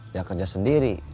ya kerja sendiri